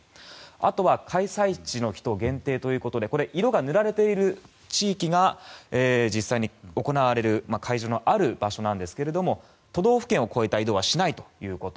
あとは開催地の人限定ということで色が塗られている地域が実際に行われる会場のある場所なんですけれども都道府県を越えた移動はしないということ。